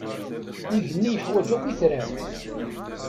Igenni iḥwaǧ akk itran.